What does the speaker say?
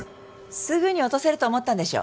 すぐに落とせると思ったんでしょ？